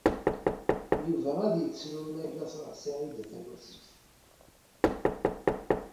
Yuba ad yettru ma yella truḥ Saɛida Tawasift.